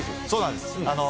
そうなんです。